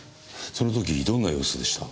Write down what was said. その時どんな様子でした？